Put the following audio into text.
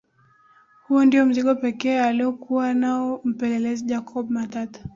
Huo ndio mzigo pekee aliokua nao mpelelezi Jacob Matata